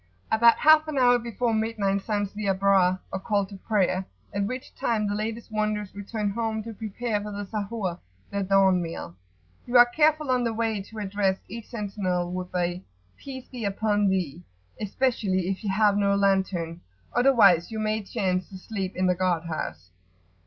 About half an hour before midnight sounds the Abrar[FN#27] or call to prayer, at which time the latest wanderers return home to prepare for the Sahur, their dawn meal. You are careful on the way to address each sentinel with a "Peace be upon thee!" especially if you have no lantern, otherwise you may chance to sleep in the guard house.